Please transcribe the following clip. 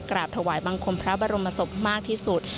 กราบถวายบังคมพระบรมศพมากที่สุด